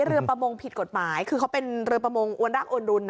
ประมงผิดกฎหมายคือเขาเป็นเรือประมงอวนรากอวนรุน